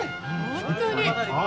本当に！